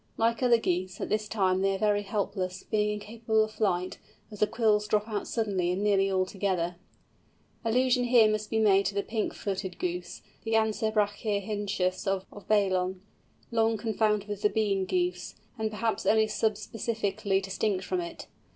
Like other Geese, at this time they are very helpless, being incapable of flight, as the quills drop out suddenly, and nearly all together. Allusion must here be made to the Pink footed Goose, the Anser brachyrhynchus of Baillon, long confounded with the Bean Goose, and perhaps only sub specifically distinct from it.